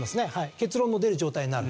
結論の出る状態になる。